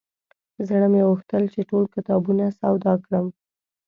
زړه مې غوښتل چې ټول کتابونه سودا کړم.